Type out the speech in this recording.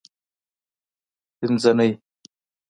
پینځنۍ